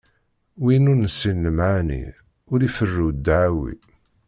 Win ur nessin lemɛani, ur iferru ddɛawi.